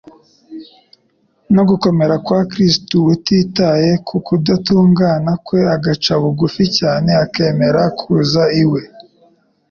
no gukomera kwa Kristo utitaye ku kudatungana kwe agaca bugufi cyane akemera kuza iwe.